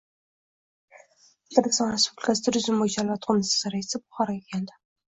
Tatariston Respublikasi Turizm bo‘yicha davlat qo‘mitasi raisi Buxoroga keldi